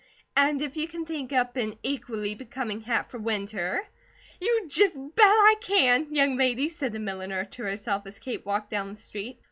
And if you can think up an equally becoming hat for winter " "You just bet I can, young lady," said the milliner to herself as Kate walked down the street.